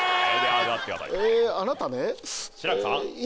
あなたね今。